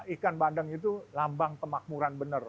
ikan bandeng itu lambang kemakmuran benar